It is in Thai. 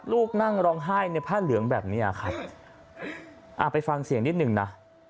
ลูกนั่งร้องไห้ในผ้าเหลืองแบบเนี้ยครับอ่าไปฟังเสียงนิดหนึ่งนะ